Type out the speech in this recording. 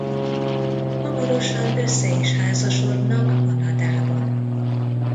Hamarosan össze is házasodnak Kanadában.